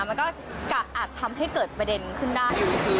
มันก็อาจทำให้เกิดประเด็นขึ้นได้อยู่ดี